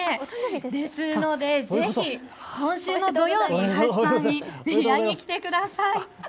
ですのでぜひ今週の土曜日、伊橋さんにぜひ会いに来てください。